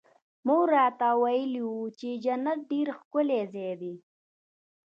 مور راته ويلي وو چې جنت ډېر ښکلى ځاى دى.